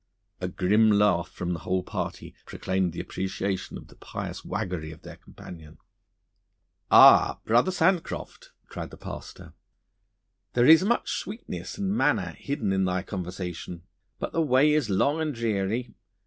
A grim laugh from the whole party proclaimed their appreciation of the pious waggery of their companion. 'Ah, Brother Sandcroft,' cried the pastor, 'there is much sweetness and manna hidden in thy conversation. But the way is long and dreary.